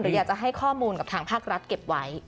อยากจะให้ข้อมูลกับทางภาครัฐเก็บไว้